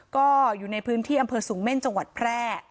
ก็อยู่ในพื้นที่อำเภอสูงเม่นจังหวัดแพร่